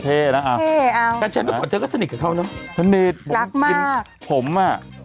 ต่อเจ้าก็สนิทกับเขาเราสนิทรักมากผมอ่ะ